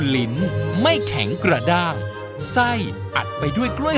หวังเงินจำนวน๖๐๐บาท